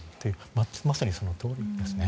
まさにそのとおりですね。